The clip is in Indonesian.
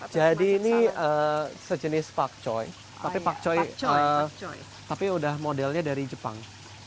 jadi ini sejenis pak choy tapi pak choy tapi udah modelnya dari jepang